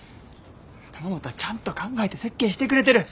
玉本はちゃんと考えて設計してくれてる。